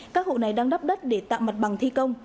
các hộ này đang đắp đất để tạo mặt bằng thi công